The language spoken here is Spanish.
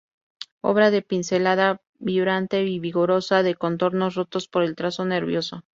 Obra de pincelada vibrante y vigorosa y de contornos rotos por el trazo nervioso.